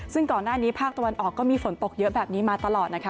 ซึ่งก่อนหน้านี้ภาคตะวันออกก็มีฝนตกเยอะแบบนี้มาตลอดนะคะ